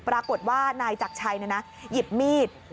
ปรากฏว่านายจักรชัยหยิบมีด